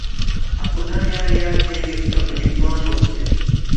Hakudhani hali yake ingefika kwenye kiwango kile